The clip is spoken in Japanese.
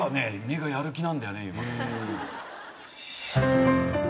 目がやる気なんだよね。